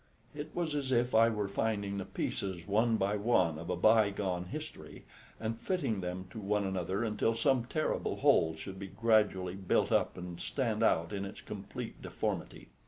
It was as if I were finding the pieces one by one of a bygone history, and fitting them to one another until some terrible whole should be gradually built up and stand out in its complete deformity.